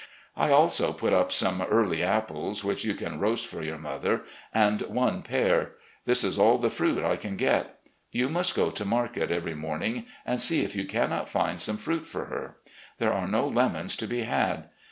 I also put up some early apples which you can roast for your mother, and one pear. This is all the fruit I can get. You must go to market every morning and see if you cannot find some fruit for her. There are no lemons to be had.